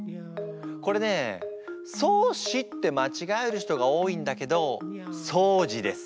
これね「そうし」ってまちがえる人が多いんだけど「そうじ」です。